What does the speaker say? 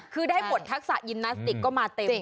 คือได้บททักษะยิมนาสติกก็มาเต็ม